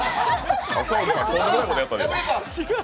赤荻さん、とんでもないことやった違う。